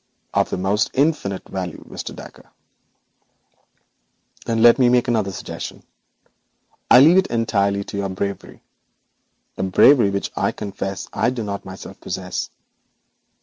'Of the most infinite value, Mr. Dacre.' 'Then let me make another suggestion. I leave it entirely to your bravery; a bravery which, I confess, I do not myself possess.